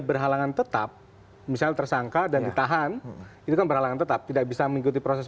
berhalangan tetap misalnya tersangka dan ditahan itu kan berhalangan tetap tidak bisa mengikuti proses